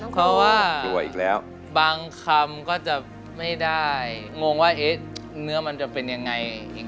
เพราะว่าบางคำก็จะไม่ได้งงว่าเนื้อมันจะเป็นยังไง